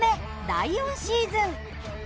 第４シーズン。